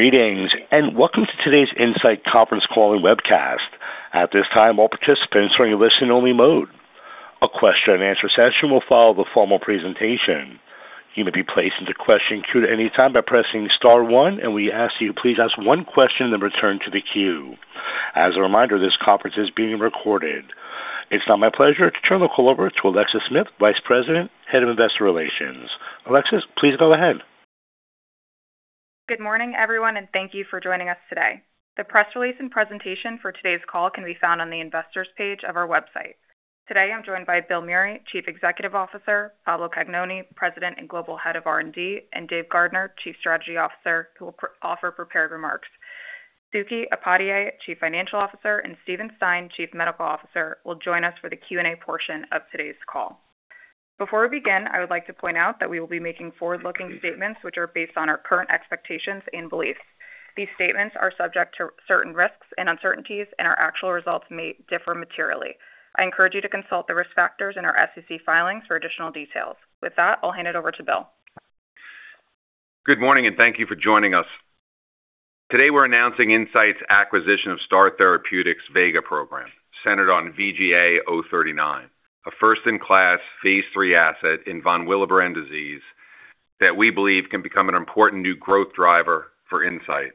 Greetings, welcome to today's Incyte conference call and webcast. At this time, all participants are in listen only mode. A question-and-answer will follow the formal presentation. You may be placed into question queue at any time by pressing star one, and we ask you please ask one question, then return to the queue. As a reminder, this conference is being recorded. It's now my pleasure to turn the call over to Alexis Smith, Vice President, Head of Investor Relations. Alexis, please go ahead. Good morning, everyone, thank you for joining us today. The press release and presentation for today's call can be found on the Investors page of our website. Today I'm joined by Bill Meury, Chief Executive Officer, Pablo Cagnoni, President and Global Head of R&D, and Dave Gardner, Chief Strategy Officer, who will offer prepared remarks. Suketu Upadhyay, Chief Financial Officer, and Steven Stein, Chief Medical Officer, will join us for the Q&A portion of today's call. Before we begin, I would like to point out that we will be making forward-looking statements which are based on our current expectations and beliefs. These statements are subject to certain risks and uncertainties, and our actual results may differ materially. I encourage you to consult the risk factors in our SEC filings for additional details. With that, I'll hand it over to Bill. Good morning, thank you for joining us. Today, we're announcing Incyte's acquisition of Star Therapeutics' Vega program, centered on VGA039, a first-in-class phase III asset in von Willebrand disease that we believe can become an important new growth driver for Incyte.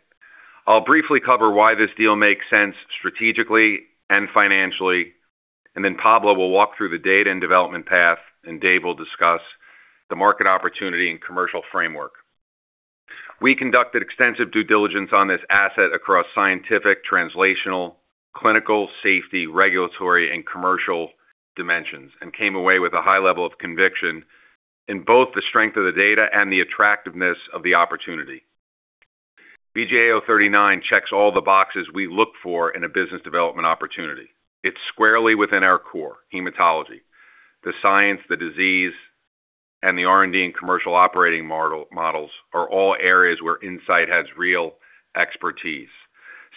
I'll briefly cover why this deal makes sense strategically and financially, and then Pablo will walk through the data and development path, and Dave will discuss the market opportunity and commercial framework. We conducted extensive due diligence on this asset across scientific, translational, clinical, safety, regulatory, and commercial dimensions and came away with a high level of conviction in both the strength of the data and the attractiveness of the opportunity. VGA039 checks all the boxes we look for in a business development opportunity. It's squarely within our core, hematology. The science, the disease, the R&D and commercial operating models are all areas where Incyte has real expertise.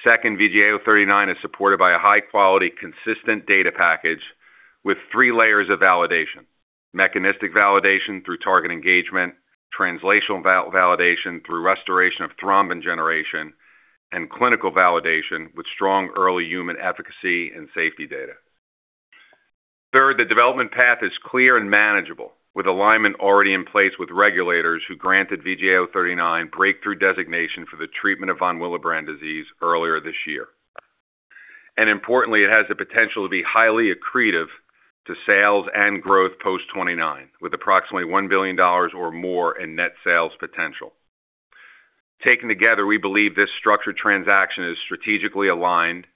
Second, VGA039 is supported by a high-quality, consistent data package with three layers of validation, mechanistic validation through target engagement, translational validation through restoration of thrombin generation, and clinical validation with strong early human efficacy and safety data. Third, the development path is clear and manageable, with alignment already in place with regulators who granted VGA039 Breakthrough designation for the treatment of von Willebrand disease earlier this year. Importantly, it has the potential to be highly accretive to sales and growth post 2029, with approximately $1 billion or more in net sales potential. Taken together, we believe this structured transaction is strategically aligned,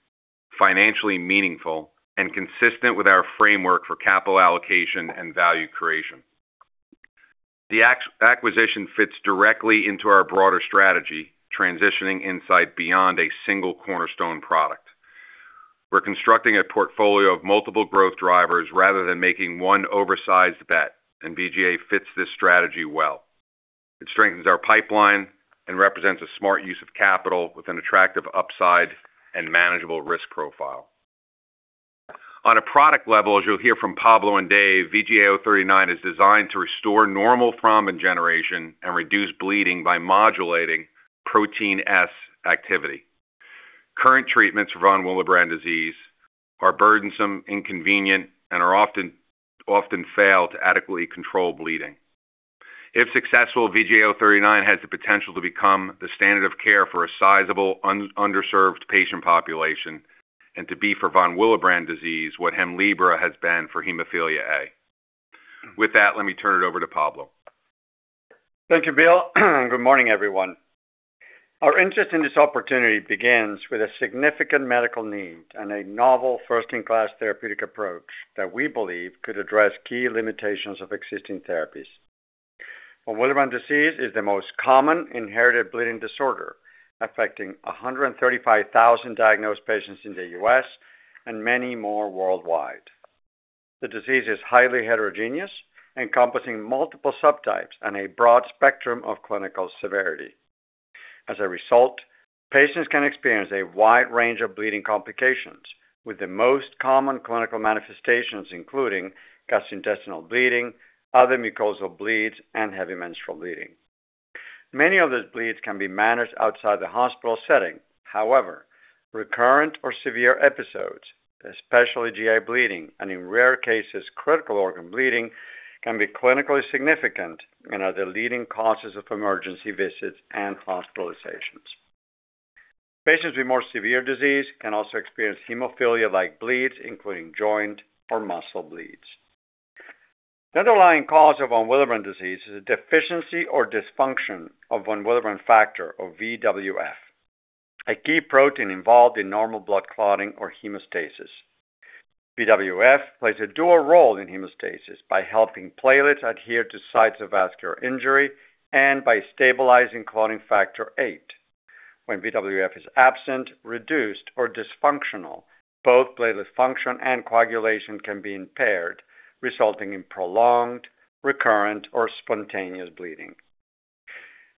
financially meaningful, and consistent with our framework for capital allocation and value creation. The acquisition fits directly into our broader strategy, transitioning Incyte beyond a single cornerstone product. We're constructing a portfolio of multiple growth drivers rather than making one oversized bet, and VGA fits this strategy well. It strengthens our pipeline and represents a smart use of capital with an attractive upside and manageable risk profile. On a product level, as you'll hear from Pablo and Dave, VGA039 is designed to restore normal thrombin generation and reduce bleeding by modulating Protein S activity. Current treatments for von Willebrand disease are burdensome, inconvenient, and often fail to adequately control bleeding. If successful, VGA039 has the potential to become the standard of care for a sizable, underserved patient population and to be for von Willebrand disease what HEMLIBRA has been for hemophilia A. With that, let me turn it over to Pablo. Thank you, Bill. Good morning, everyone. Our interest in this opportunity begins with a significant medical need and a novel first-in-class therapeutic approach that we believe could address key limitations of existing therapies. Von Willebrand disease is the most common inherited bleeding disorder, affecting 135,000 diagnosed patients in the U.S. and many more worldwide. The disease is highly heterogeneous, encompassing multiple subtypes and a broad spectrum of clinical severity. As a result, patients can experience a wide range of bleeding complications, with the most common clinical manifestations including gastrointestinal bleeding, other mucosal bleeds, and heavy menstrual bleeding. Many of these bleeds can be managed outside the hospital setting. However, recurrent or severe episodes, especially GI bleeding, and in rare cases, critical organ bleeding, can be clinically significant and are the leading causes of emergency visits and hospitalizations. Patients with more severe disease can also experience hemophilia-like bleeds, including joint or muscle bleeds. The underlying cause of von Willebrand disease is a deficiency or dysfunction of von Willebrand factor, or VWF, a key protein involved in normal blood clotting or hemostasis. VWF plays a dual role in hemostasis by helping platelets adhere to sites of vascular injury and by stabilizing clotting Factor VIII. When VWF is absent, reduced, or dysfunctional, both platelet function and coagulation can be impaired, resulting in prolonged, recurrent, or spontaneous bleeding.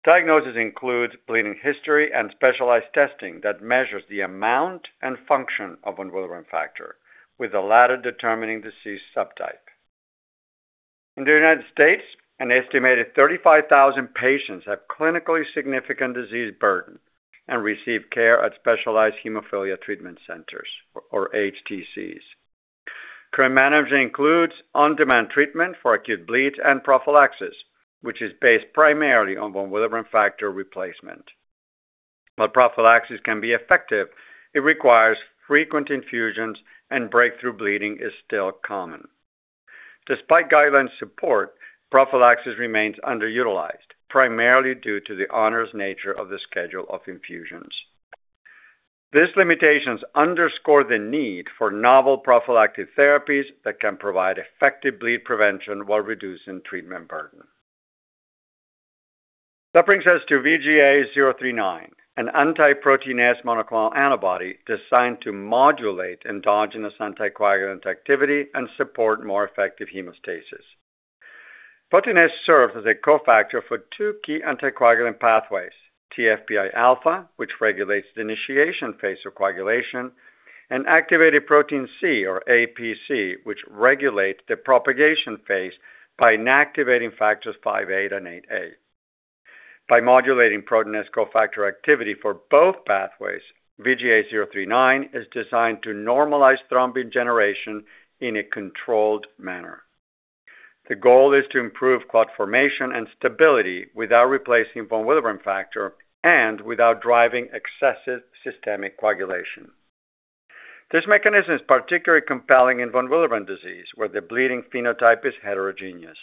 Diagnosis includes bleeding history and specialized testing that measures the amount and function of von Willebrand factor, with the latter determining disease subtype. In the United States, an estimated 35,000 patients have clinically significant disease burden and receive care at specialized hemophilia treatment centers or HTCs. Current management includes on-demand treatment for acute bleeds and prophylaxis, which is based primarily on von Willebrand factor replacement. While prophylaxis can be effective, it requires frequent infusions and breakthrough bleeding is still common. Despite guideline support, prophylaxis remains underutilized, primarily due to the onerous nature of the schedule of infusions. These limitations underscore the need for novel prophylactic therapies that can provide effective bleed prevention while reducing treatment burden. That brings us to VGA039, an anti-Protein S monoclonal antibody designed to modulate endogenous anticoagulant activity and support more effective hemostasis. Protein S serves as a cofactor for two key anticoagulant pathways, TFPIα, which regulates the initiation phase of coagulation, and activated protein C or APC, which regulates the propagation phase by inactivating factors V, VIII and VIII-A. By modulating Protein S cofactor activity for both pathways, VGA039 is designed to normalize thrombin generation in a controlled manner. The goal is to improve clot formation and stability without replacing von Willebrand factor and without driving excessive systemic coagulation. This mechanism is particularly compelling in von Willebrand disease, where the bleeding phenotype is heterogeneous.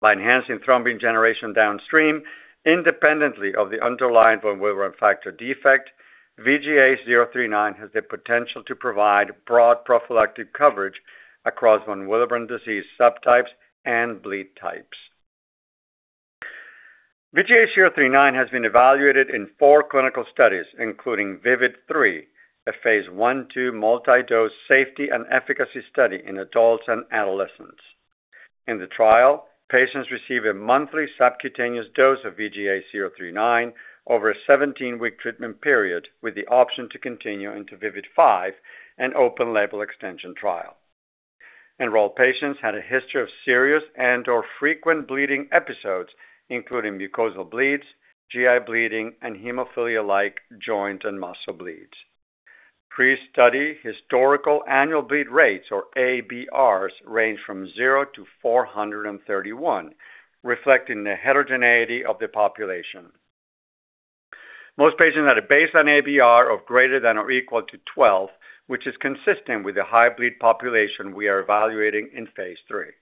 By enhancing thrombin generation downstream, independently of the underlying von Willebrand factor defect, VGA039 has the potential to provide broad prophylactic coverage across von Willebrand disease subtypes and bleed types. VGA039 has been evaluated in four clinical studies, including VIVID-3, a phase I/II multidose safety and efficacy study in adults and adolescents. In the trial, patients receive a monthly subcutaneous dose of VGA039 over a 17-week treatment period, with the option to continue into VIVID-5, an open-label extension trial. Enrolled patients had a history of serious and/or frequent bleeding episodes, including mucosal bleeds, GI bleeding, and hemophilia-like joint and muscle bleeds. Pre-study historical annual bleed rates, or ABRs, range from 0 to 431, reflecting the heterogeneity of the population. Most patients had a baseline ABR of greater than or equal to 12, which is consistent with the high bleed population we are evaluating in phase III.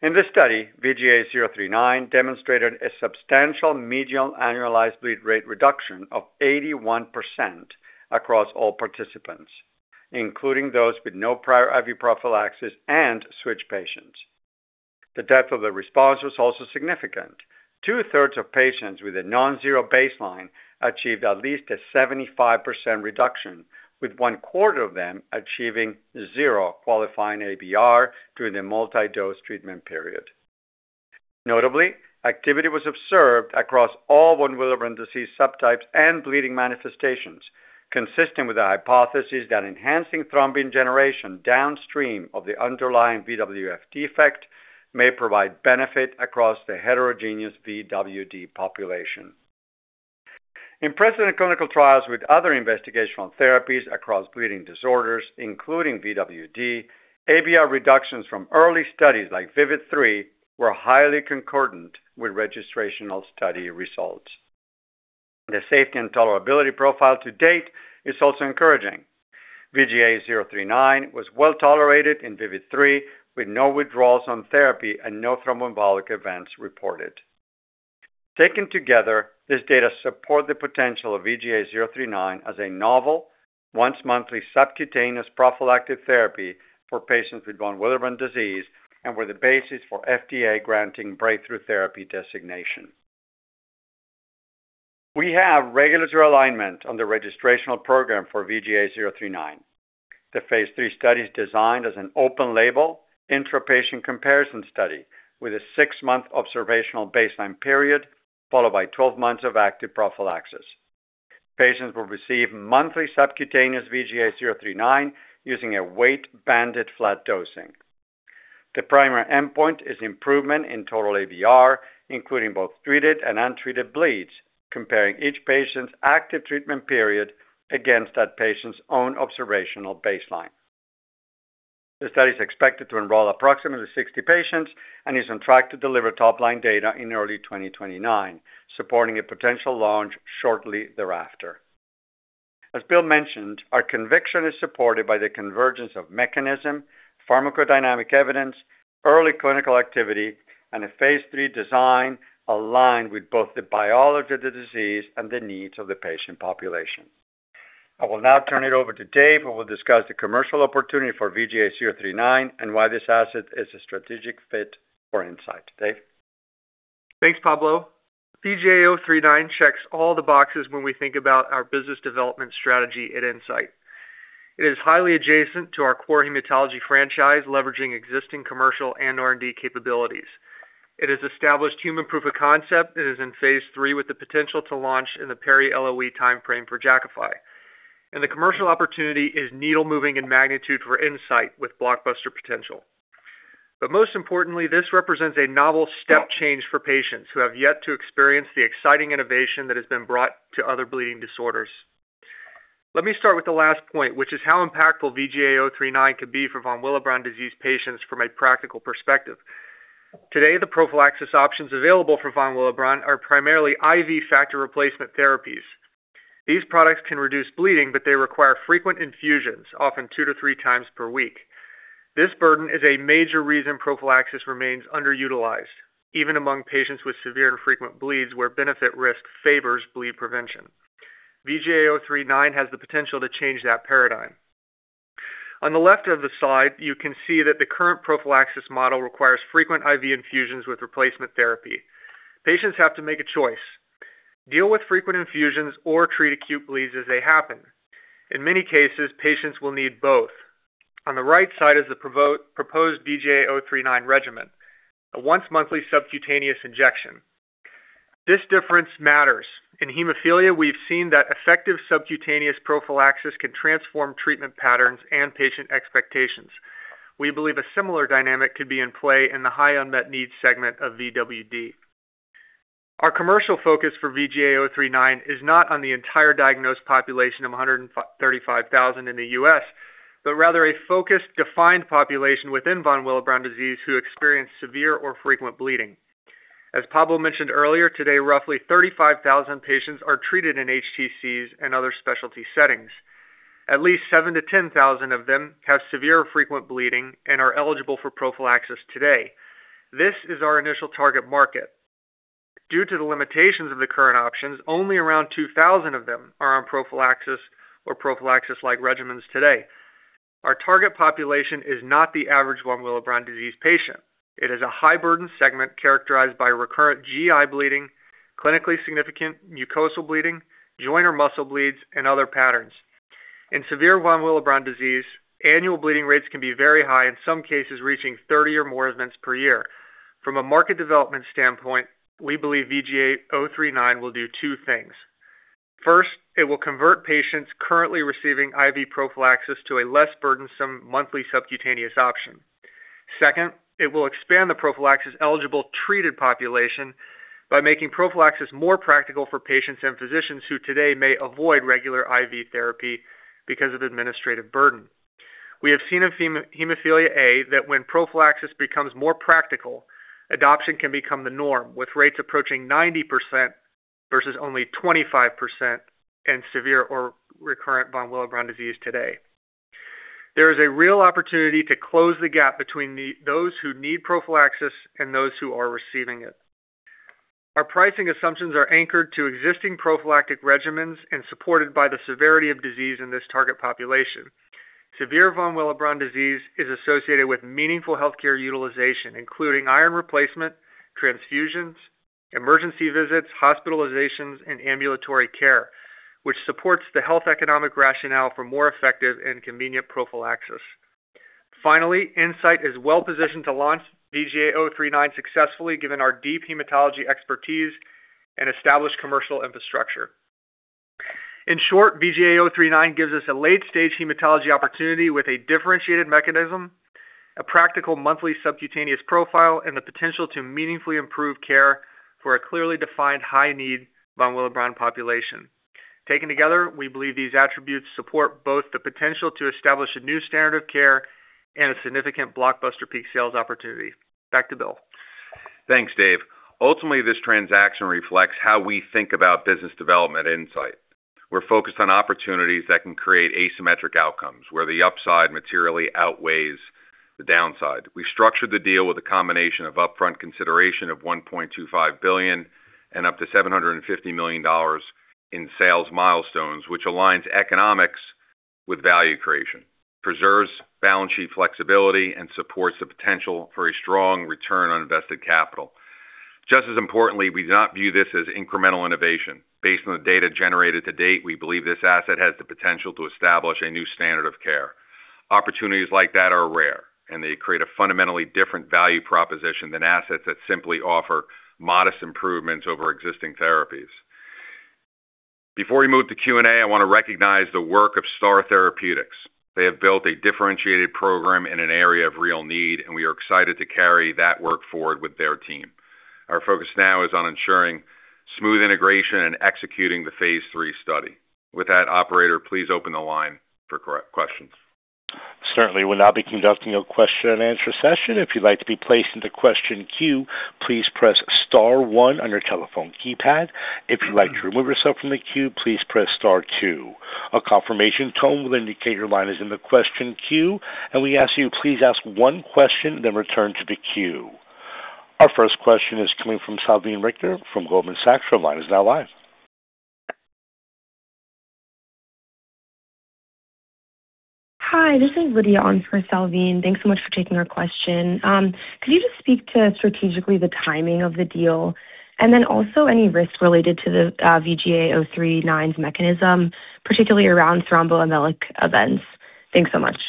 In this study, VGA039 demonstrated a substantial medial annualized bleed rate reduction of 81% across all participants, including those with no prior IV prophylaxis and switch patients. The depth of the response was also significant. Two-thirds of patients with a non-zero baseline achieved at least a 75% reduction, with one-quarter of them achieving zero qualifying ABR during the multi-dose treatment period. Notably, activity was observed across all von Willebrand disease subtypes and bleeding manifestations, consistent with the hypothesis that enhancing thrombin generation downstream of the underlying VWF defect may provide benefit across the heterogeneous VWD population. In precedent clinical trials with other investigational therapies across bleeding disorders, including VWD, ABR reductions from early studies like VIVID-3 were highly concordant with registrational study results. The safety and tolerability profile to date is also encouraging. VGA039 was well-tolerated in VIVID-3 with no withdrawals on therapy and no thromboembolic events reported. Taken together, these data support the potential of VGA039 as a novel once-monthly subcutaneous prophylactic therapy for patients with von Willebrand disease and were the basis for FDA granting Breakthrough Therapy designation. We have regulatory alignment on the registrational program for VGA039. The phase III study is designed as an open-label intra-patient comparison study with a six-month observational baseline period, followed by 12 months of active prophylaxis. Patients will receive monthly subcutaneous VGA039 using a weight-banded flat dosing. The primary endpoint is improvement in total ABR, including both treated and untreated bleeds, comparing each patient's active treatment period against that patient's own observational baseline. The study is expected to enroll approximately 60 patients and is on track to deliver top-line data in early 2029, supporting a potential launch shortly thereafter. As Bill mentioned, our conviction is supported by the convergence of mechanism, pharmacodynamic evidence, early clinical activity, and a phase III design aligned with both the biology of the disease and the needs of the patient population. I will now turn it over to Dave, who will discuss the commercial opportunity for VGA039 and why this asset is a strategic fit for Incyte. Dave? Thanks, Pablo. VGA039 checks all the boxes when we think about our business development strategy at Incyte. It is highly adjacent to our core hematology franchise, leveraging existing commercial and R&D capabilities. It has established human proof of concept. It is in phase III with the potential to launch in the peri-LOE timeframe for JAKAFI. The commercial opportunity is needle-moving in magnitude for Incyte with blockbuster potential. Most importantly, this represents a novel step change for patients who have yet to experience the exciting innovation that has been brought to other bleeding disorders. Let me start with the last point, which is how impactful VGA039 could be for von Willebrand disease patients from a practical perspective. Today, the prophylaxis options available for von Willebrand are primarily IV factor replacement therapies. These products can reduce bleeding, but they require frequent infusions, often two to three times per week. This burden is a major reason prophylaxis remains underutilized, even among patients with severe and frequent bleeds where benefit risk favors bleed prevention. VGA039 has the potential to change that paradigm. On the left of the slide, you can see that the current prophylaxis model requires frequent IV infusions with replacement therapy. Patients have to make a choice, deal with frequent infusions or treat acute bleeds as they happen. In many cases, patients will need both. On the right side is the proposed VGA039 regimen, a once-monthly subcutaneous injection. This difference matters. In hemophilia, we've seen that effective subcutaneous prophylaxis can transform treatment patterns and patient expectations. We believe a similar dynamic could be in play in the high unmet need segment of VWD. Our commercial focus for VGA039 is not on the entire diagnosed population of 135,000 in the U.S., but rather a focused, defined population within von Willebrand disease who experience severe or frequent bleeding. As Pablo mentioned earlier today, roughly 35,000 patients are treated in HTCs and other specialty settings. At least 7,000-10,000 of them have severe or frequent bleeding and are eligible for prophylaxis today. This is our initial target market. Due to the limitations of the current options, only around 2,000 of them are on prophylaxis or prophylaxis-like regimens today. Our target population is not the average von Willebrand disease patient. It is a high-burden segment characterized by recurrent GI bleeding, clinically significant mucosal bleeding, joint or muscle bleeds, and other patterns. In severe von Willebrand disease, annual bleeding rates can be very high, in some cases reaching 30 or more events per year. From a market development standpoint, we believe VGA039 will do two things. First, it will convert patients currently receiving IV prophylaxis to a less burdensome monthly subcutaneous option. Second, it will expand the prophylaxis-eligible treated population by making prophylaxis more practical for patients and physicians who today may avoid regular IV therapy because of administrative burden. We have seen in hemophilia A that when prophylaxis becomes more practical, adoption can become the norm, with rates approaching 90% versus only 25% in severe or recurrent von Willebrand disease today. There is a real opportunity to close the gap between those who need prophylaxis and those who are receiving it. Our pricing assumptions are anchored to existing prophylactic regimens and supported by the severity of disease in this target population. Severe von Willebrand disease is associated with meaningful healthcare utilization, including iron replacement, transfusions, emergency visits, hospitalizations, and ambulatory care, which supports the health economic rationale for more effective and convenient prophylaxis. Finally, Incyte is well-positioned to launch VGA039 successfully given our deep hematology expertise and established commercial infrastructure. In short, VGA039 gives us a late-stage hematology opportunity with a differentiated mechanism, a practical monthly subcutaneous profile, and the potential to meaningfully improve care for a clearly defined high-need von Willebrand population. Taken together, we believe these attributes support both the potential to establish a new standard of care and a significant blockbuster peak sales opportunity. Back to Bill. Thanks, Dave. Ultimately, this transaction reflects how we think about business development at Incyte. We're focused on opportunities that can create asymmetric outcomes where the upside materially outweighs the downside. We structured the deal with a combination of upfront consideration of $1.25 billion and up to $750 million in sales milestones, which aligns economics with value creation, preserves balance sheet flexibility, and supports the potential for a strong return on invested capital. Just as importantly, we do not view this as incremental innovation. Based on the data generated to date, we believe this asset has the potential to establish a new standard of care. Opportunities like that are rare, and they create a fundamentally different value proposition than assets that simply offer modest improvements over existing therapies. Before we move to Q&A, I want to recognize the work of Star Therapeutics. They have built a differentiated program in an area of real need, and we are excited to carry that work forward with their team. Our focus now is on ensuring smooth integration and executing the phase III study. With that, operator, please open the line for questions. Certainly. We'll now be conducting a question-and-answer. If you'd like to be placed into question queue, please press star one on your telephone keypad. If you'd like to remove yourself from the queue, please press star two. A confirmation tone will indicate your line is in the question queue, and we ask you please ask one question, then return to the queue. Our first question is coming from Salveen Richter from Goldman Sachs. Your line is now live. Hi, this is Lydia on for Salveen. Thanks so much for taking our question. Could you just speak to strategically the timing of the deal, and then also any risk related to the VGA039's mechanism, particularly around thromboembolic events? Thanks so much.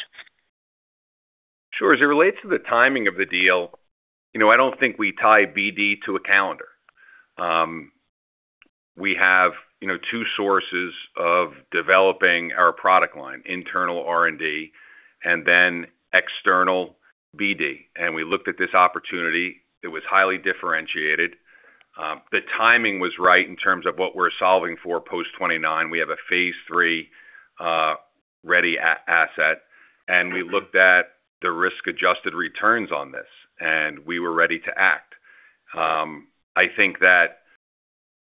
Sure. As it relates to the timing of the deal, I don't think we tie BD to a calendar. We have two sources of developing our product line, internal R&D and then external BD. We looked at this opportunity. It was highly differentiated. The timing was right in terms of what we're solving for post 2029. We have a phase III-ready asset. We looked at the risk-adjusted returns on this, and we were ready to act. I think that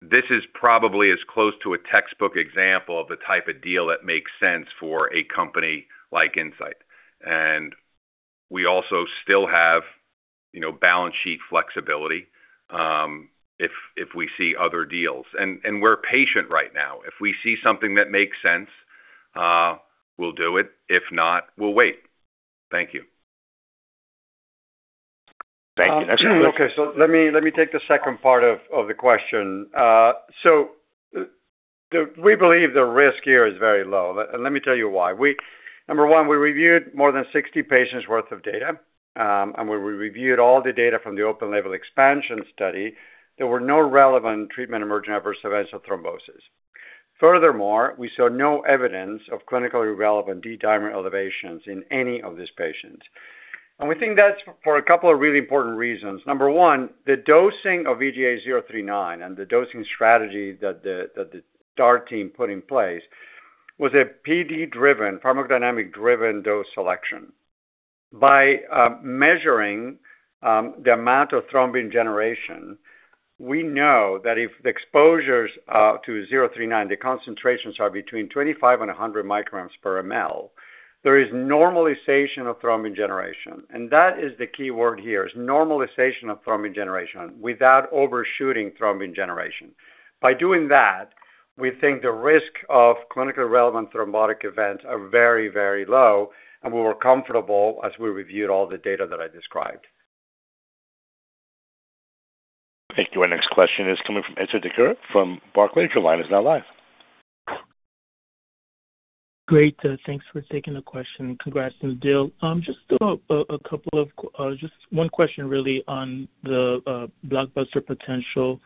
this is probably as close to a textbook example of the type of deal that makes sense for a company like Incyte. We also still have balance sheet flexibility, if we see other deals. We're patient right now. If we see something that makes sense, we'll do it. If not, we'll wait. Thank you. Thank you. Next question— Let me take the second part of the question. We believe the risk here is very low, and let me tell you why. Number one, we reviewed more than 60 patients' worth of data, and when we reviewed all the data from the open-label expansion study, there were no relevant treatment emergent adverse events of thrombosis. Furthermore, we saw no evidence of clinically relevant D-dimer elevations in any of these patients. We think that's for a couple of really important reasons. Number one, the dosing of VGA039 and the dosing strategy that the Star team put in place was a PD-driven, pharmacodynamic-driven dose selection. By measuring the amount of thrombin generation, we know that if the exposures to 039, the concentrations are between 25 and 100 mcg/mL, there is normalization of thrombin generation, and that is the key word here, is normalization of thrombin generation without overshooting thrombin generation. By doing that, we think the risk of clinically relevant thrombotic events are very, very low, and we were comfortable as we reviewed all the data that I described. Thank you. Our next question is coming from Etzer Darout from Barclays. Your line is now live. Great. Thanks for taking the question. Congrats on the deal. Just one question really on the blockbuster potential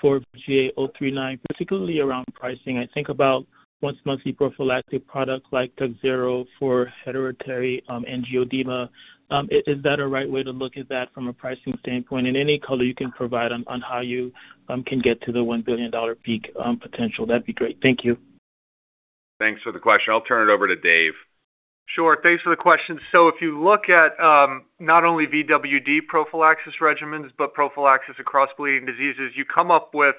for VGA039, particularly around pricing. I think about once-monthly prophylactic products like TAKHZYRO for hereditary angioedema. Is that a right way to look at that from a pricing standpoint? Any color you can provide on how you can get to the $1 billion peak potential, that'd be great. Thank you. Thanks for the question. I'll turn it over to Dave. Thanks for the question. If you look at not only VWD prophylaxis regimens, but prophylaxis across bleeding diseases, you come up with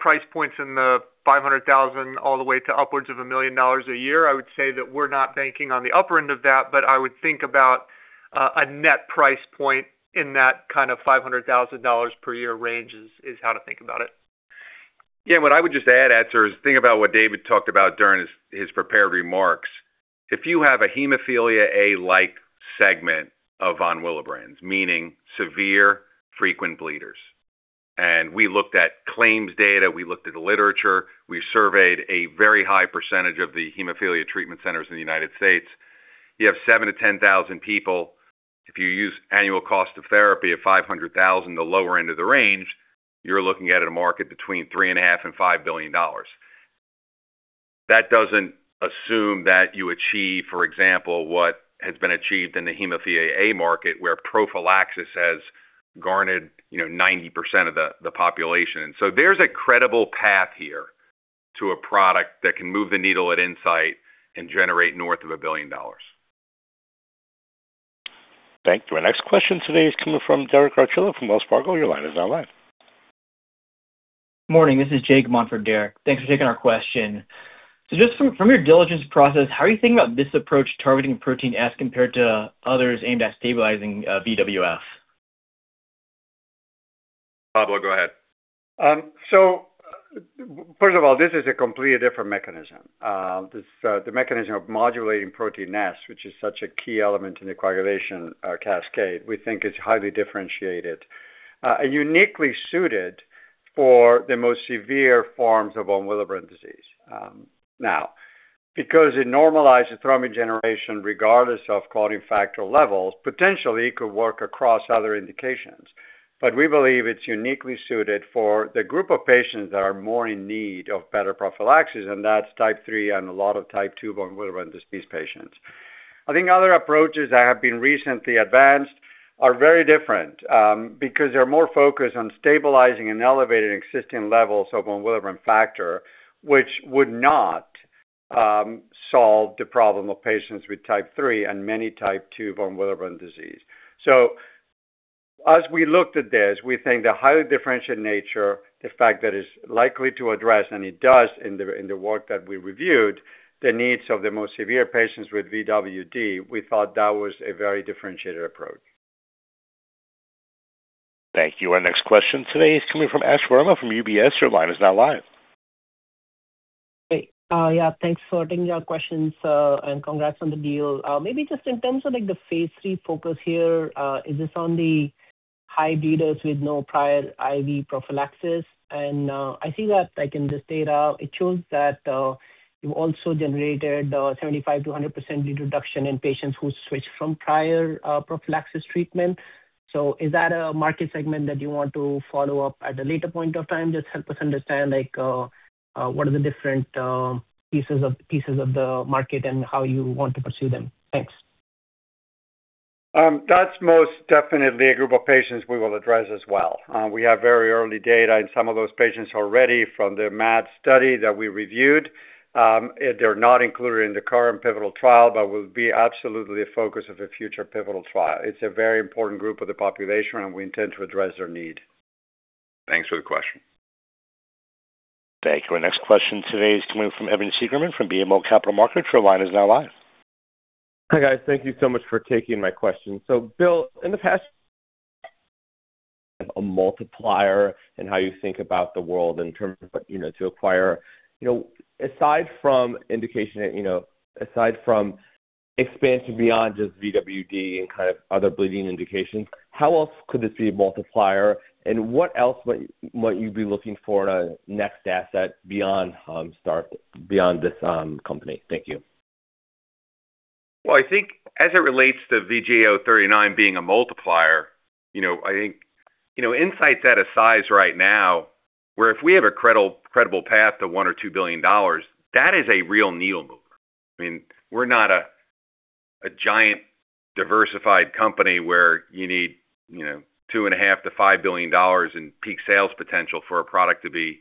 price points in the $500,000 all the way to upwards of $1 million a year. I would say that we're not banking on the upper end of that, but I would think about a net price point in that kind of $500,000 per year range is how to think about it. What I would just add, Etzer, is think about what Dave talked about during his prepared remarks. If you have a hemophilia A-like segment of von Willebrand's, meaning severe frequent bleeders, and we looked at claims data, we looked at the literature, we surveyed a very high percentage of the hemophilia treatment centers in the United States. You have 7,000 to 10,000 people. If you use annual cost of therapy of $500,000, the lower end of the range, you're looking at a market between $3.5 billion and $5 billion. That doesn't assume that you achieve, for example, what has been achieved in the hemophilia A market, where prophylaxis has garnered 90% of the population. There's a credible path here to a product that can move the needle at Incyte and generate north of $1 billion. Thank you. Our next question today is coming from Derek Archila from Wells Fargo. Your line is now live. Morning. This is Jake on for Derek. Thanks for taking our question. Just from your diligence process, how are you thinking about this approach targeting Protein S compared to others aimed at stabilizing VWF? Pablo, go ahead. First of all, this is a completely different mechanism. The mechanism of modulating Protein S, which is such a key element in the coagulation cascade, we think is highly differentiated, and uniquely suited for the most severe forms of von Willebrand disease. Because it normalizes thrombin generation regardless of clotting factor levels, potentially it could work across other indications. We believe it's uniquely suited for the group of patients that are more in need of better prophylaxis, and that's type 3 and a lot of type 2 von Willebrand disease patients. I think other approaches that have been recently advanced are very different, because they're more focused on stabilizing and elevating existing levels of von Willebrand factor, which would not solve the problem of patients with type 3 and many type 2 von Willebrand disease. As we looked at this, we think the highly differentiated nature, the fact that it's likely to address, and it does in the work that we reviewed, the needs of the most severe patients with VWD, we thought that was a very differentiated approach. Thank you. Our next question today is coming from Ashwani Verma from UBS. Your line is now live. Great. Yeah, thanks for taking our questions, and congrats on the deal. Maybe just in terms of the phase III focus here, is this on the high bleeders with no prior IV prophylaxis. I see that in this data, it shows that you also generated a 75%-100% reduction in patients who switched from prior prophylaxis treatment. Is that a market segment that you want to follow up at a later point of time? Just help us understand what are the different pieces of the market and how you want to pursue them. Thanks. That's most definitely a group of patients we will address as well. We have very early data in some of those patients already from the MAD study that we reviewed. They're not included in the current pivotal trial, will be absolutely a focus of a future pivotal trial. It's a very important group of the population, and we intend to address their need. Thanks for the question. Thank you. Our next question today is coming from Evan Seigerman from BMO Capital Markets. Your line is now live. Hi, guys. Thank you so much for taking my question. Bill, in the past a multiplier in how you think about the world in terms of to acquire. Aside from expansion beyond just VWD and other bleeding indications, how else could this be a multiplier, and what else might you be looking for in a next asset beyond this company? Thank you. Well, I think as it relates to VGA039 being a multiplier, Incyte's at a size right now where if we have a credible path to $1 billion or $2 billion, that is a real needle mover. We're not a giant diversified company where you need $2.5 billion to $5 billion in peak sales potential for a product to be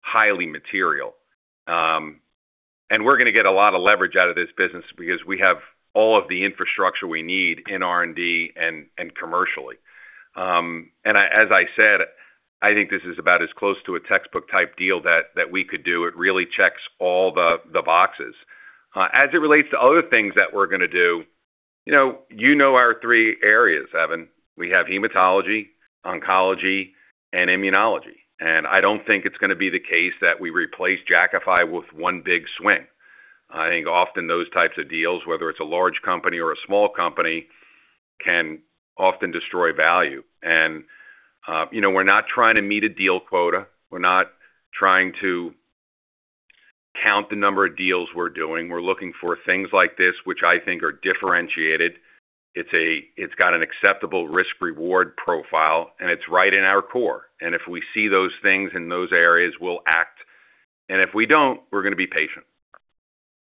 highly material. We're going to get a lot of leverage out of this business because we have all of the infrastructure we need in R&D and commercially. As I said, I think this is about as close to a textbook-type deal that we could do. It really checks all the boxes. As it relates to other things that we're going to do, you know our three areas, Evan. We have hematology, oncology, and immunology. I don't think it's going to be the case that we replace JAKAFI with one big swing. I think often those types of deals, whether it's a large company or a small company, can often destroy value. We're not trying to meet a deal quota. We're not trying to count the number of deals we're doing. We're looking for things like this, which I think are differentiated. It's got an acceptable risk-reward profile, and it's right in our core. If we see those things in those areas, we'll act. If we don't, we're going to be patient.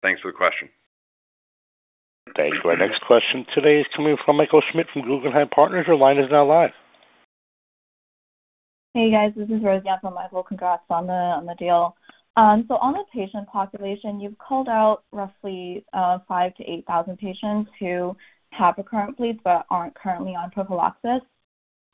Thanks for the question. Thank you. Our next question today is coming from Michael Schmidt from Guggenheim Partners. Your line is now live. Hey, guys, this is Rosie from Michael. Congrats on the deal. On the patient population, you've called out roughly 5,000 to 8,000 patients who have recurrent bleeds but aren't currently on prophylaxis.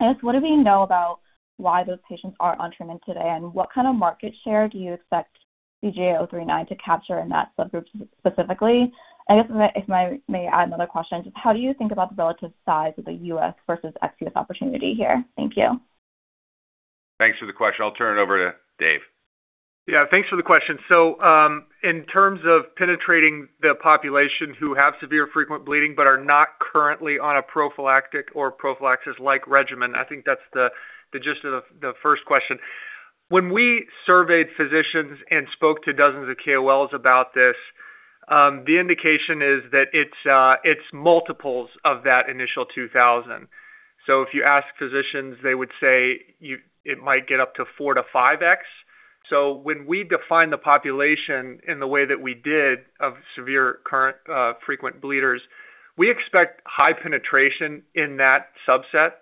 I guess, what do we know about why those patients aren't on treatment today, and what kind of market share do you expect VGA039 to capture in that subgroup specifically? I guess, if I may add another question, just how do you think about the relative size of the U.S. versus ex-U.S. opportunity here? Thank you. Thanks for the question. I'll turn it over to Dave. Thanks for the question. In terms of penetrating the population who have severe frequent bleeding but are not currently on a prophylactic or prophylaxis-like regimen, I think that's the gist of the first question. When we surveyed physicians and spoke to dozens of KOLs about this, the indication is that it's multiples of that initial 2,000. If you ask physicians, they would say it might get up to 4x to 5x. When we define the population in the way that we did of severe current frequent bleeders, we expect high penetration in that subset.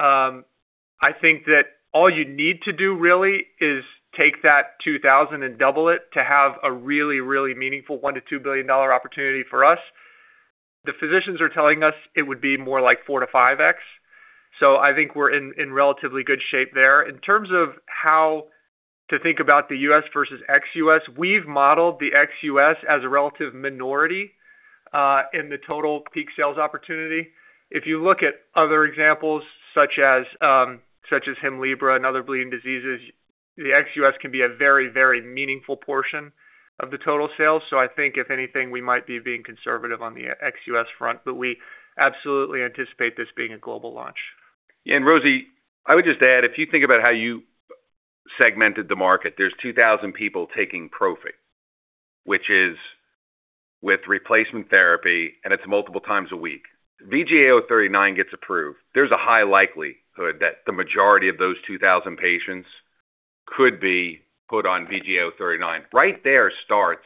I think that all you need to do really is take that 2,000 and double it to have a really, really meaningful $1 billion to $2 billion opportunity for us. The physicians are telling us it would be more like 4x to 5x. I think we're in relatively good shape there. In terms of how to think about the U.S. versus ex-U.S., we've modeled the ex-U.S. as a relative minority in the total peak sales opportunity. If you look at other examples such as HEMLIBRA and other bleeding diseases, the ex-U.S. can be a very, very meaningful portion of the total sales. I think if anything, we might be being conservative on the ex-U.S. front, but we absolutely anticipate this being a global launch. Rosie, I would just add, if you think about how you segmented the market, there's 2,000 people taking prophy, which is with replacement therapy, and it's multiple times a week. VGA039 gets approved, there's a high likelihood that the majority of those 2,000 patients could be put on VGA039. Right there starts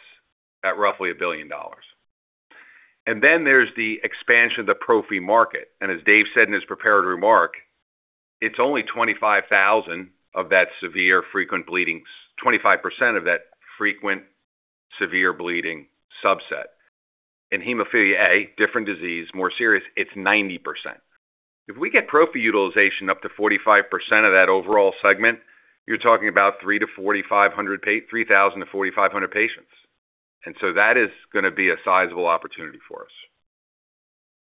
at roughly $1 billion. There's the expansion of the prophy market, and as Dave said in his prepared remark, it's only 25,000 of that severe frequent bleedings, 25% of that frequent severe bleeding subset. In hemophilia A, different disease, more serious, it's 90%. If we get prophy utilization up to 45% of that overall segment, you're talking about 3,000 to 4,500 patients. That is going to be a sizable opportunity for us.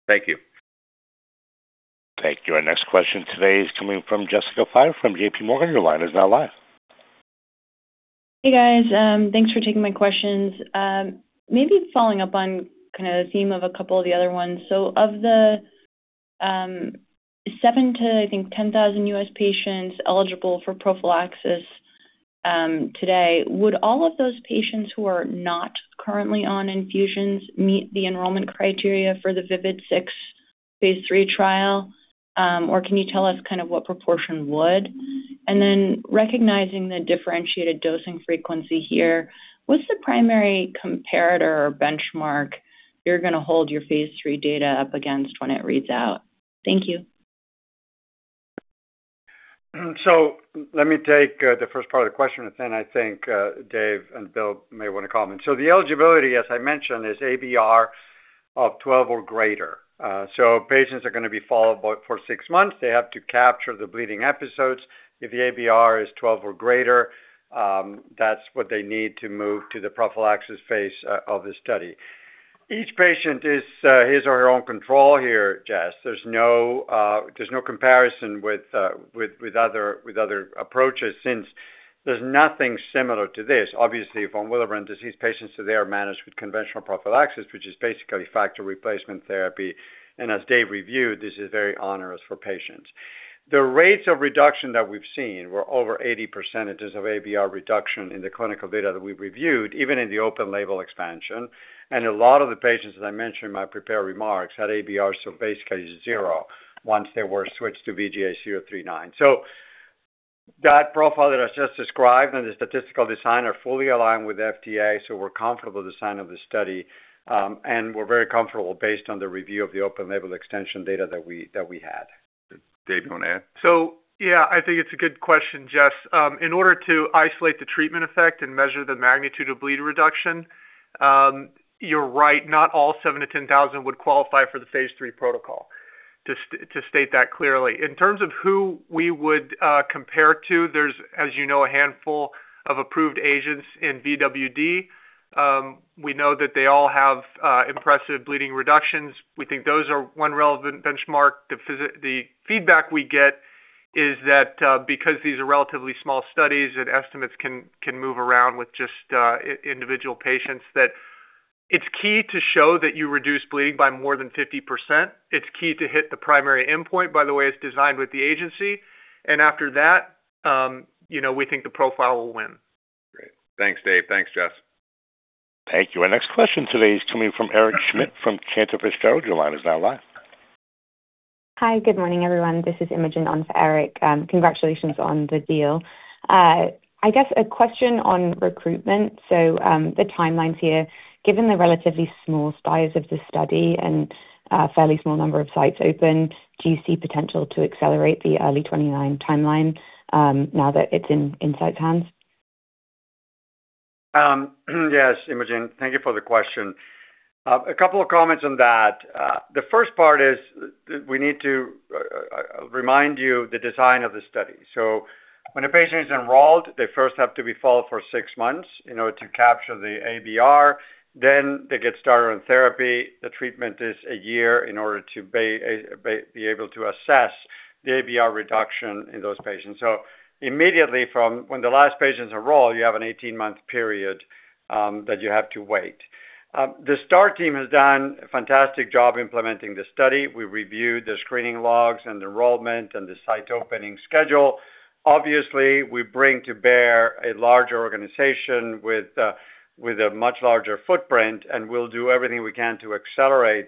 Thank you. Thank you. Our next question today is coming from Jessica Fye from JPMorgan. Your line is now live Hey guys, thanks for taking my questions. Maybe following up on kind of the theme of a couple of the other ones. Of the 7,000 to, I think, 10,000 U.S. patients eligible for prophylaxis today, would all of those patients who are not currently on infusions meet the enrollment criteria for the VIVID-6 phase III trial? Can you tell us kind of what proportion would? Recognizing the differentiated dosing frequency here, what's the primary comparator or benchmark you're going to hold your phase III data up against when it reads out? Thank you. Let me take the first part of the question, and then I think Dave and Bill may want to comment. The eligibility, as I mentioned, is ABR of 12 or greater. Patients are going to be followed for six months. They have to capture the bleeding episodes. If the ABR is 12 or greater, that's what they need to move to the prophylaxis phase of the study. Each patient is his or her own control here, Jess. There's no comparison with other approaches since there's nothing similar to this. Obviously, von Willebrand disease patients, they are managed with conventional prophylaxis, which is basically factor replacement therapy. As Dave reviewed, this is very onerous for patients. The rates of reduction that we've seen were over 80% of ABR reduction in the clinical data that we've reviewed, even in the open-label expansion. A lot of the patients, as I mentioned in my prepared remarks, had ABRs of basically zero once they were switched to VGA039. That profile that I just described and the statistical design are fully aligned with FDA. We're comfortable with the design of the study, and we're very comfortable based on the review of the open-label extension data that we had. Dave, you want to add? Yeah, I think it's a good question, Jess. In order to isolate the treatment effect and measure the magnitude of bleed reduction, you're right, not all 7,000 to 10,000 would qualify for the phase III protocol, to state that clearly. In terms of who we would compare to, there's, as you know, a handful of approved agents in VWD. We know that they all have impressive bleeding reductions. We think those are one relevant benchmark. The feedback we get is that because these are relatively small studies and estimates can move around with just individual patients, that it's key to show that you reduce bleeding by more than 50%. It's key to hit the primary endpoint by the way it's designed with the agency. After that we think the profile will win. Great. Thanks, Dave. Thanks, Jess. Thank you. Our next question today is coming from Eric Schmidt from Cantor Fitzgerald. Your line is now live. Hi, good morning, everyone. This is Imogen on for Eric. Congratulations on the deal. I guess a question on recruitment. The timelines here, given the relatively small size of the study and fairly small number of sites open, do you see potential to accelerate the early 2029 timeline now that it's in Incyte's hands? Yes, Imogen, thank you for the question. A couple of comments on that. The first part is we need to remind you the design of the study. When a patient is enrolled, they first have to be followed for six months in order to capture the ABR. Then they get started on therapy. The treatment is a year in order to be able to assess the ABR reduction in those patients. Immediately from when the last patients enroll, you have an 18-month period that you have to wait. The Star team has done a fantastic job implementing the study. We reviewed the screening logs and enrollment and the site opening schedule. Obviously, we bring to bear a larger organization with a much larger footprint, and we'll do everything we can to accelerate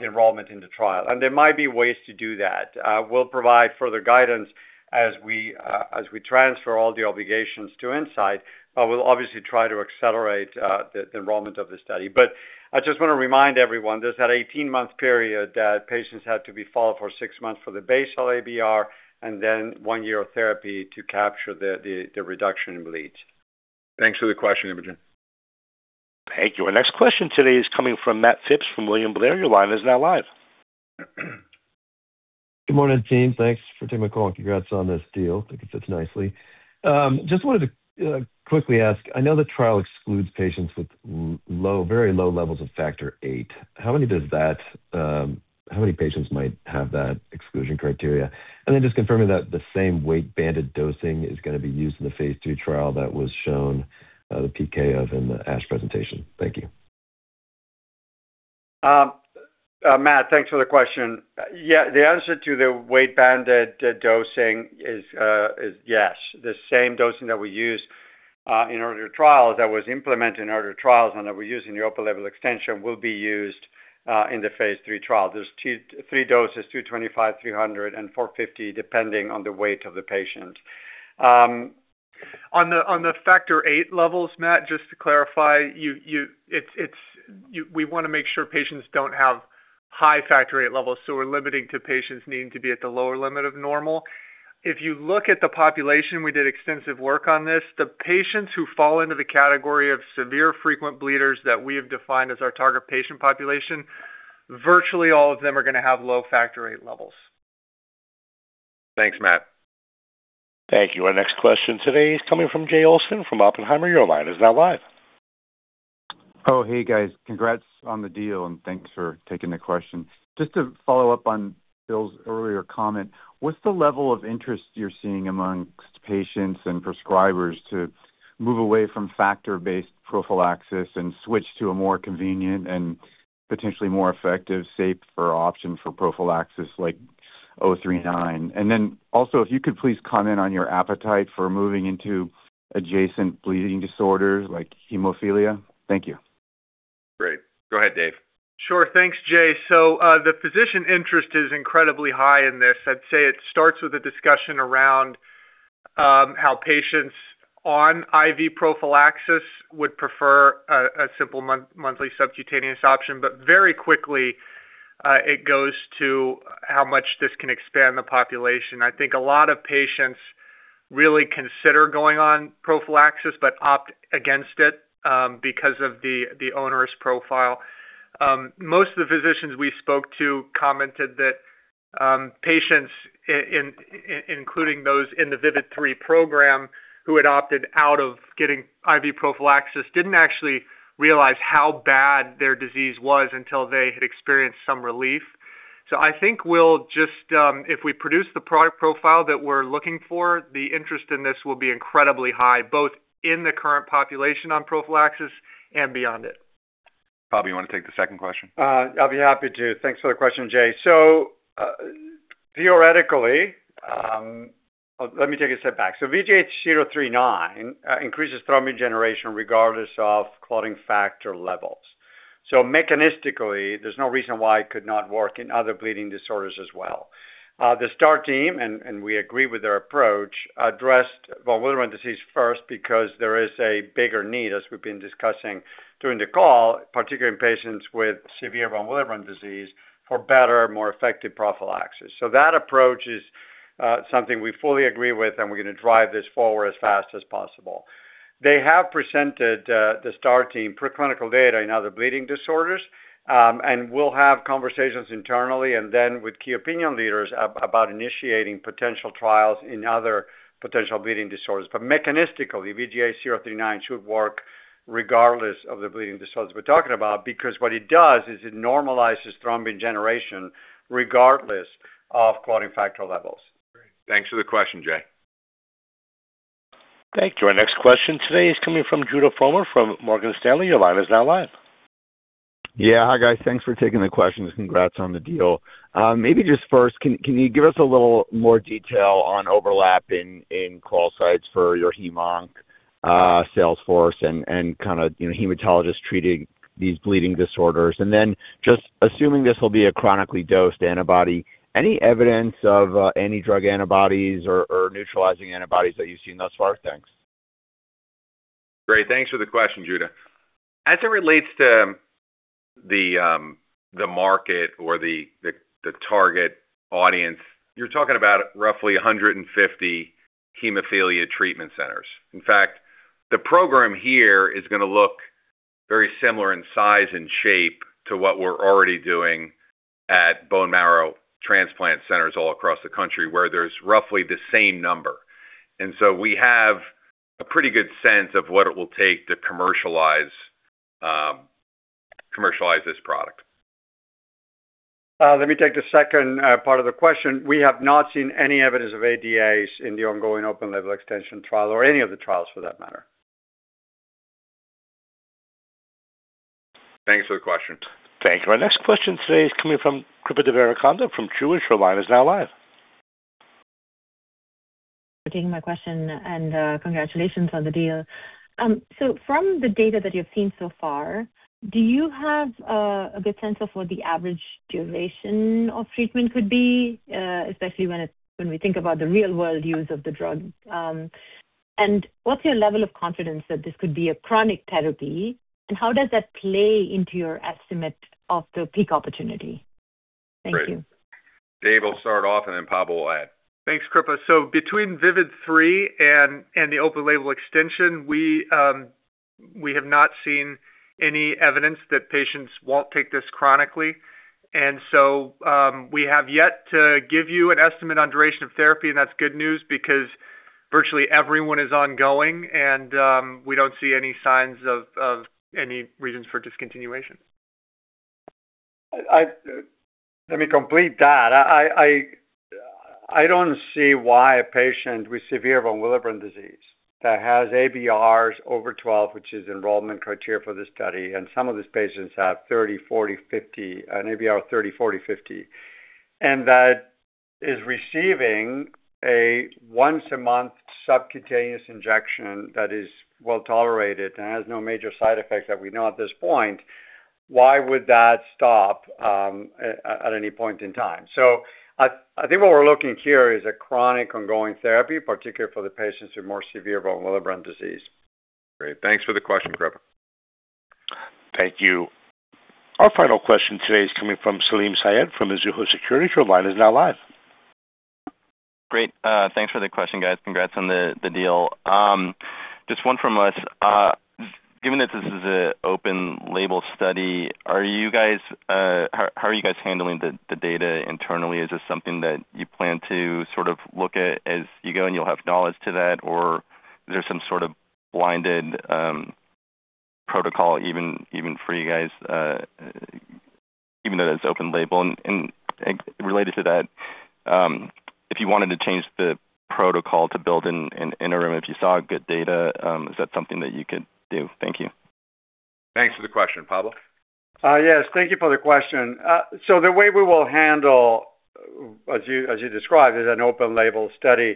the enrollment in the trial. There might be ways to do that. We'll provide further guidance as we transfer all the obligations to Incyte, we'll obviously try to accelerate the enrollment of the study. I just want to remind everyone, there's that 18-month period that patients have to be followed for six months for the basal ABR and then one year of therapy to capture the reduction in bleeds. Thanks for the question, Imogen. Thank you. Our next question today is coming from Matt Phipps from William Blair. Your line is now live. Good morning, team. Thanks for taking my call and congrats on this deal. Think it fits nicely. Just wanted to quickly ask, I know the trial excludes patients with very low levels of Factor VIII. How many patients might have that exclusion criteria? Confirming that the same weight-banded dosing is going to be used in the phase II trial that was shown the PK of in the ASH presentation. Thank you. Matt, thanks for the question. Yeah, the answer to the weight-banded dosing is yes. The same dosing that we used in earlier trials, that was implemented in earlier trials and that we use in the open-label extension, will be used in the phase III trial. There's three doses, 225, 300, and 450, depending on the weight of the patient. On the Factor VIII levels, Matt, just to clarify, we want to make sure patients don't have high Factor VIII levels. We're limiting to patients needing to be at the lower limit of normal. If you look at the population, we did extensive work on this. The patients who fall into the category of severe frequent bleeders that we have defined as our target patient population, virtually all of them are going to have low Factor VIII levels. Thanks, Matt. Thank you. Our next question today is coming from Jay Olson from Oppenheimer. Your line is now live. Hey guys. Congrats on the deal, thanks for taking the question. Just to follow up on Bill's earlier comment, what's the level of interest you're seeing amongst patients and prescribers to move away from factor-based prophylaxis and switch to a more convenient and potentially more effective, safer option for prophylaxis like 039? Also, if you could please comment on your appetite for moving into adjacent bleeding disorders like hemophilia. Thank you. Great. Go ahead, Dave. Thanks, Jay. The physician interest is incredibly high in this. I'd say it starts with a discussion around how patients on IV prophylaxis would prefer a simple monthly subcutaneous option. Very quickly, it goes to how much this can expand the population. I think a lot of patients really consider going on prophylaxis but opt against it because of the onerous profile. Most of the physicians we spoke to commented that patients, including those in the VIVID-3 program who had opted out of getting IV prophylaxis, didn't actually realize how bad their disease was until they had experienced some relief. I think if we produce the product profile that we're looking for, the interest in this will be incredibly high, both in the current population on prophylaxis and beyond it. Pablo, you want to take the second question? I'll be happy to. Thanks for the question, Jay. Theoretically, let me take a step back. VGA039 increases thrombin generation regardless of clotting factor levels. Mechanistically, there's no reason why it could not work in other bleeding disorders as well. The Star team, and we agree with their approach, addressed von Willebrand disease first because there is a bigger need, as we've been discussing during the call, particularly in patients with severe von Willebrand disease, for better, more effective prophylaxis. That approach is something we fully agree with, and we're going to drive this forward as fast as possible. They have presented, the Star team, preclinical data in other bleeding disorders, and we'll have conversations internally and then with key opinion leaders about initiating potential trials in other potential bleeding disorders. Mechanistically, VGA039 should work regardless of the bleeding disorders we're talking about, because what it does is it normalizes thrombin generation regardless of clotting factor levels. Great. Thanks for the question, Jay. Thank you. Our next question today is coming from Judah Frommer from Morgan Stanley. Your line is now live. Yeah. Hi, guys. Thanks for taking the questions. Congrats on the deal. Maybe just first, can you give us a little more detail on overlap in call sites for your hem-onc sales force and hematologists treating these bleeding disorders? Then just assuming this will be a chronically dosed antibody, any evidence of any drug antibodies or neutralizing antibodies that you've seen thus far? Thanks. Great. Thanks for the question, Judah. As it relates to the market or the target audience, you're talking about roughly 150 hemophilia treatment centers. In fact, the program here is going to look very similar in size and shape to what we're already doing at bone marrow transplant centers all across the country, where there's roughly the same number. So we have a pretty good sense of what it will take to commercialize this product. Let me take the second part of the question. We have not seen any evidence of ADAs in the ongoing open-label extension trial or any of the trials for that matter. Thanks for the question. Thank you. Our next question today is coming from Kripa Devarakonda from Truist. Your line is now live. [Thank you] for taking my question, congratulations on the deal. From the data that you've seen so far, do you have a good sense of what the average duration of treatment could be, especially when we think about the real-world use of the drug? What's your level of confidence that this could be a chronic therapy? And how does that play into your estimate of the peak opportunity? Thank you. Great. Dave will start off, then Pablo will add. Thanks, Kripa. Between VIVID-3 and the open-label extension, we have not seen any evidence that patients won't take this chronically. We have yet to give you an estimate on duration of therapy. That's good news because virtually everyone is ongoing. We don't see any signs of any reasons for discontinuation. Let me complete that. I don't see why a patient with severe von Willebrand disease that has ABRs over 12, which is enrollment criteria for this study, and some of these patients have 30, 40, 50, an ABR of 30, 40, 50, and that is receiving a once-a-month subcutaneous injection that is well-tolerated and has no major side effects that we know at this point, why would that stop at any point in time? I think what we're looking at here is a chronic ongoing therapy, particularly for the patients with more severe von Willebrand disease. Great. Thanks for the question, Kripa. Thank you. Our final question today is coming from Salim Syed from Mizuho Securities. Your line is now live. Great. Thanks for the question, guys. Congrats on the deal. Just one from us. Given that this is an open-label study, how are you guys handling the data internally? Is this something that you plan to sort of look at as you go and you'll have knowledge to that? Or is there some sort of blinded protocol even for you guys, even though that's open-label? Related to that, if you wanted to change the protocol to build in an interim if you saw good data, is that something that you could do? Thank you. Thanks for the question. Pablo? Yes. Thank you for the question. The way we will handle, as you described, as an open-label study,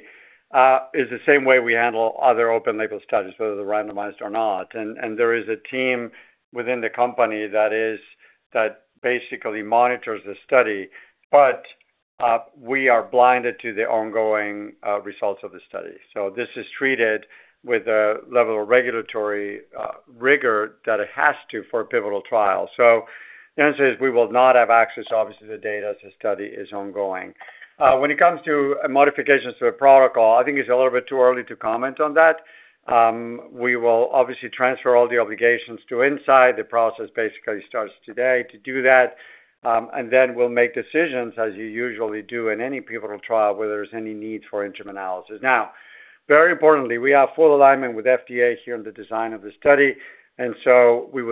is the same way we handle other open-label studies, whether they're randomized or not. There is a team within the company that basically monitors the study. We are blinded to the ongoing results of the study. This is treated with a level of regulatory rigor that it has to for a pivotal trial. The answer is we will not have access, obviously, to the data as the study is ongoing. When it comes to modifications to the protocol, I think it's a little bit too early to comment on that. We will obviously transfer all the obligations to Incyte. The process basically starts today to do that. We'll make decisions, as you usually do in any pivotal trial, whether there's any need for interim analysis. Very importantly, we have full alignment with FDA here on the design of the study, we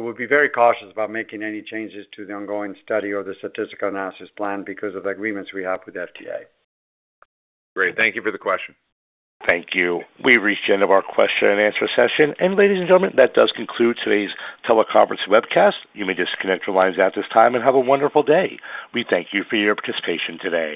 would be very cautious about making any changes to the ongoing study or the statistical analysis plan because of the agreements we have with FDA. Great. Thank you for the question. Thank you. We've reached the end of our question-and-answer. Ladies and gentlemen, that does conclude today's teleconference webcast. You may disconnect your lines at this time, and have a wonderful day. We thank you for your participation today.